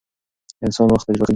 انسان وخت تجربه کوي.